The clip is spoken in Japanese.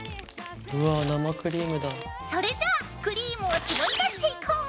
それじゃあクリームをしぼり出していこう！